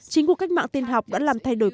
chính cuộc cách mạng tin học đã làm thay đổi